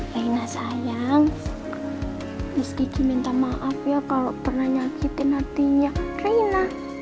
rina sayang miss kiki minta maaf ya kalau pernah nyakitin hatinya rina